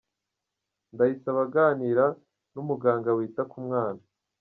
Ndayisaba aganira n'umuganga wita ku mwana.